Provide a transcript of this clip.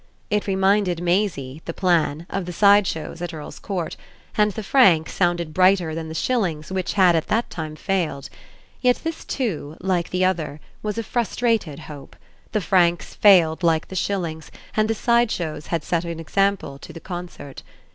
It reminded Maisie, the plan, of the side shows at Earl's Court, and the franc sounded brighter than the shillings which had at that time failed; yet this too, like the other, was a frustrated hope: the francs failed like the shillings and the side shows had set an example to the concert.